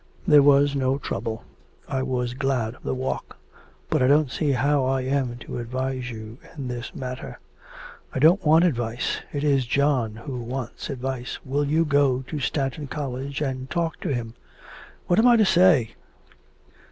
'There was no trouble; I was glad of the walk. But I don't see how I am to advise you in this matter.' 'I don't want advice. It is John who wants advice. Will you go to Stanton College and talk to him?' 'What am I to say?'